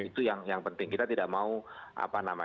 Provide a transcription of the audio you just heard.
itu yang penting kita tidak akan membuat masakan sama sekali